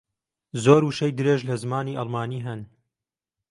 زۆر وشەی درێژ لە زمانی ئەڵمانی ھەن.